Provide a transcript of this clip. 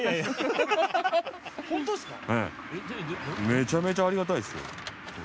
めちゃめちゃありがたいですよ。